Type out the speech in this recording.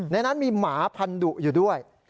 ในนั้นมีหมาพันธุอยู่ด้วย